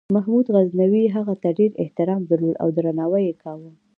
محمود غزنوي هغه ته ډېر احترام درلود او درناوی یې کاوه.